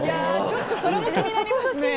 ちょっとそれも気になりますね。